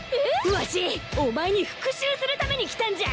わしお前に復讐するために来たんじゃ！